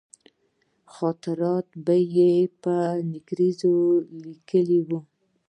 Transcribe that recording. خاطرات به یې په انګرېزي لیکلي وي.